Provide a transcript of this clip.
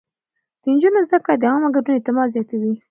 د نجونو زده کړه د عامه ګډون اعتماد زياتوي.